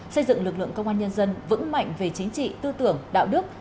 xây dựng lực lượng công an nhân dân vững mạnh về chính trị tư tưởng đạo đức